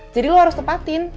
jadi lo harus tepatin